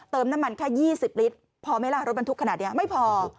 น้ำมันแค่๒๐ลิตรพอไหมล่ะรถบรรทุกขนาดนี้ไม่พอ